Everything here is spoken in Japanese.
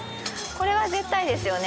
これは絶対ですよね。